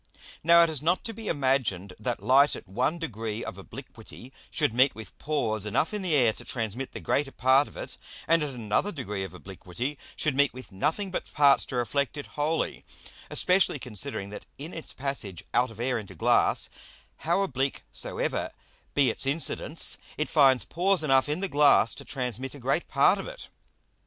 Now it is not to be imagined that Light at one degree of obliquity should meet with Pores enough in the Air to transmit the greater part of it, and at another degree of obliquity should meet with nothing but parts to reflect it wholly, especially considering that in its passage out of Air into Glass, how oblique soever be its Incidence, it finds Pores enough in the Glass to transmit a great part of it.